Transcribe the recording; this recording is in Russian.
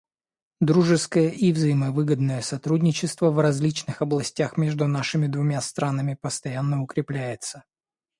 Дружеское и взаимовыгодное сотрудничество в различных областях между нашими двумя странами постоянно укрепляется.